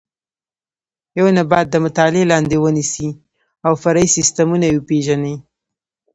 یو نبات د مطالعې لاندې ونیسئ او فرعي سیسټمونه یې وپېژنئ.